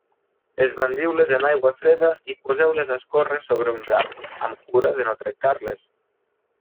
Esbandiu-les en aigua freda i poseu-les a escórrer sobre un drap, amb cura de no trencar-les.